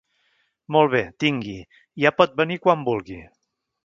Molt bé. Tingui, ja pot venir quan vulgui.